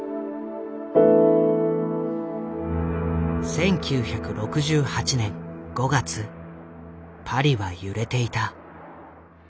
１９６８年５月パリは揺れていた。